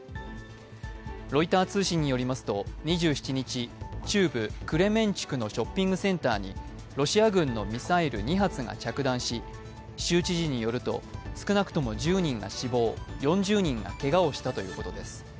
ロイター通信によりますと２７日、中部クレメンチュクのショッピングセンターにロシア軍のミサイル２発が着弾し、州知事によると少なくとも１０人が死亡、４０人がけがをしたということです。